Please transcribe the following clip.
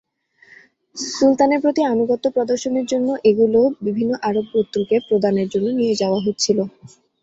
সুলতানের প্রতি আনুগত্য প্রদর্শনের জন্য এগুলো বিভিন্ন আরব গোত্রকে প্রদানের জন্য নিয়ে যাওয়া হচ্ছিল।